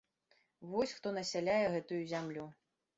Вось хто насяляе гэтую зямлю.